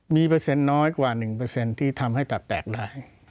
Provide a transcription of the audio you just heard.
มีเปอร์เซ็นต์น้อยกว่า๑ที่ทำให้ตับแตกได้